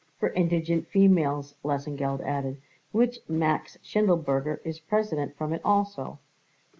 "For Indignant Females," Lesengeld added, "which Max Schindelberger is president from it also."